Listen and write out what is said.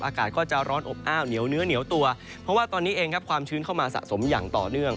อากาศก็จะร้อนอบอ้าวเหนียวเนื้อเหนียวตัวเพราะว่าตอนนี้เองครับความชื้นเข้ามาสะสมอย่างต่อเนื่อง